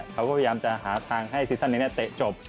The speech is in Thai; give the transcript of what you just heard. เขาก็พยายามจะหาทางให้ซีซั่นนี้เตะจบ